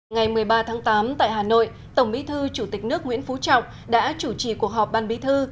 ngày một mươi ba tháng tám tại hà nội tổng bí thư chủ tịch nước nguyễn phú trọng đã chủ trì cuộc họp ban bí thư